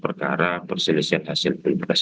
berdasarkan perselisihan hasil pilpes